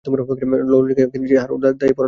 লালীকে আমি কিনেছি হারুদার ঠেয়ে, পরাণ কি জানে?